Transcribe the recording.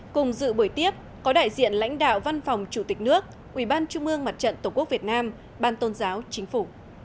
cùng dự bởi tiếp có đại diện lãnh đạo văn phòng chủ tịch nước ubnd tổ quốc việt nam ban tôn giáo chính phủ